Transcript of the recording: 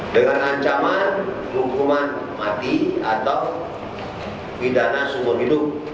dengan ancaman hukuman mati atau pidana seumur hidup